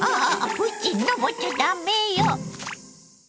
プチのぼっちゃダメよ！